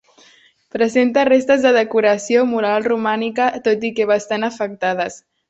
Presenta restes de decoració mural romànica, tot i que bastant afectades.